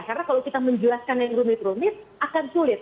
karena kalau kita menjelaskan yang rumit rumit akan sulit